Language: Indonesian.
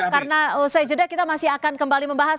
karena saya jadilah kita masih akan kembali membahas